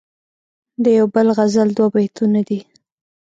دیو بل غزل دوه بیتونه دي..